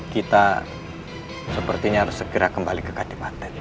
kita sepertinya harus segera kembali ke kadipaten